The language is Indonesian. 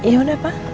ya udah pa